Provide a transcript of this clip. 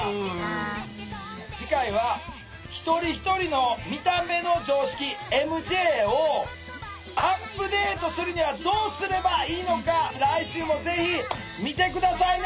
次回は一人一人の見た目の常識ＭＪをアップデートするにはどうすればいいのか来週もぜひ見て下さいね！